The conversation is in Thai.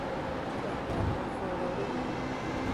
ที่ออกแบบโดยเฟอรารี่